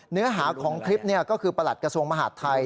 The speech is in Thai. เนื้อหาของคลิปก็คือประหลัดกระทรวงมหาดไทย